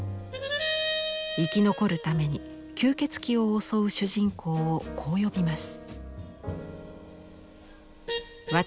生き残るために吸血鬼を襲う主人公をこう呼びます。